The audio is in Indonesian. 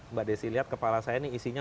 mbak desi lihat kepala saya ini isinya